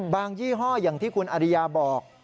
ยี่ห้ออย่างที่คุณอริยาบอก